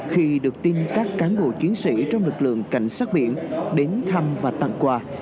khi được tin các cán bộ chiến sĩ trong lực lượng cảnh sát biển đến thăm và tặng quà